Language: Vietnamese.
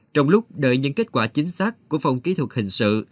trong lúc đợi những kết quả chính xác của phòng kỹ thuật hình sự